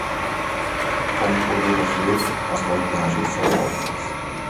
Como podemos ver, as vantagens são óbvias.